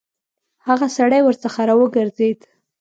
هغه سړی ورڅخه راوګرځېد.